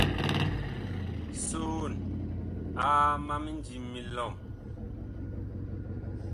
Soon aa ma mindim mi lɔm.